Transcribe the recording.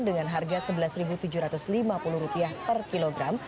dengan harga rp sebelas tujuh ratus lima puluh per kilogram